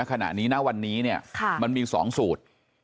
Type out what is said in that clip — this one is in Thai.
คณะนี้ณวันนี้มันมีสองสูตร